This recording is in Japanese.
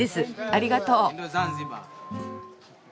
ありがとう。